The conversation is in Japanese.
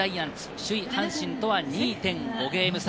首位阪神とは２．５ゲーム差。